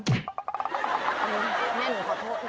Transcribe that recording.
แม่หนูขอโทษนะ